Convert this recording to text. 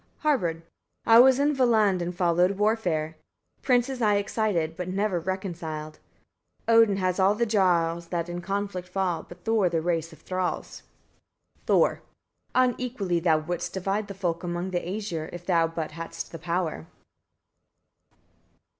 Harbard. 24. I was in Valland, and followed warfare; princes I excited, but never reconciled. Odin has all the jarls that in conflict fall; but Thor the race of thralls. Thor. 25. Unequally thou wouldst divide the folk among the Æsir, if thou but hadst the power.